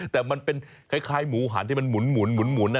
แต่มันเป็นคล้ายหมูหันที่มันหมุน